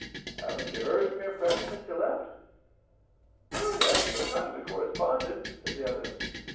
Haven't you heard from your friend since you left?" "Well, yes, for a time we corresponded," said the other.